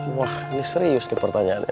wah ini serius nih pertanyaannya